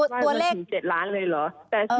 ว่ามันถึง๗ล้านเลยเหรอ